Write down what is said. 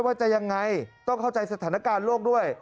ว่าจะยังไงต้องเข้าใจสถานการณ์โลกด้วย